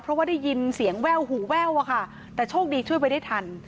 เพราะว่าได้ยินเสียงแว่วหูแว่วอะค่ะแต่โชคดีช่วยไว้ได้ทัน